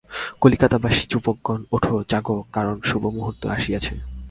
কলিকাতাবাসী যুবকগণ, উঠ, জাগো, কারণ শুভমুহূর্ত আসিয়াছে।